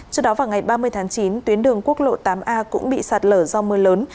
trước đó vào ngày ba mươi tháng chín tuyến đường quốc lộ tám a cũng bị sạt lở do mưa lớn